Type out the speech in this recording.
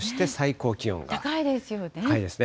高いですよね。